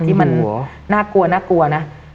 ที่มันน่ากลัวนะ